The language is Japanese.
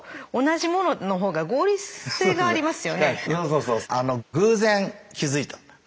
そうそうあの偶然気付いたんだ。